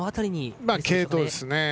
継投ですね。